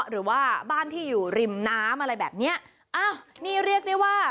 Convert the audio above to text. หรือว่าบ้านที่อยู่ริมน้ำอะไรแบบเนี้ยอ้าวนี่เรียกได้ว่า